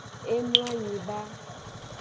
E mloanyi ba.